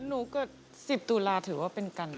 หนูก็๑๐ตุลาถือว่าเป็นกันครับ